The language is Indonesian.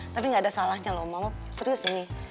tapi enggak ada salahnya lho mama serius nih